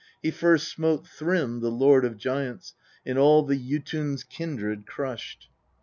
He first smote Thrym, the lord of giants, and all the Jotun's kindred crushed.